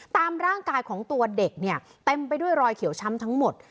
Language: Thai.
ตามร่างกายของตัวเด็กเนี่ยเต็มไปด้วยรอยเขียวช้ำทั้งหมด